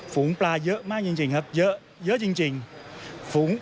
ฝูงปลาเยอะมากจริงครับเยอะจริง